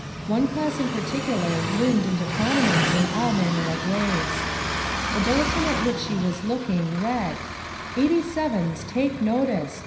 One class in particular loomed into prominence in all manner of ways. The bulletin at which she was looking read: " '87's take notice!